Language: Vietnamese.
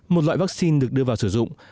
một loại vaccine được đưa vào sử dụng